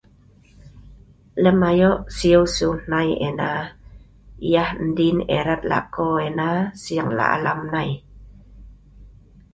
Lem ayoq sieu siu hnai ena yeh ndien erat la’ ko ena sieng la’ alam nai